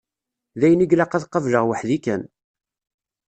D ayen i ilaq ad qableɣ weḥd-i kan.